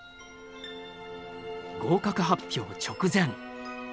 合格発表直前。